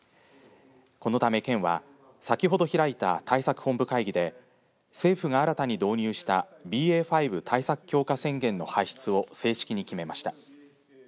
このため、県は先ほど開いた対策本部会議で政府が新たに導入したＢＡ．５対策強化宣言の発出を正式に決めました。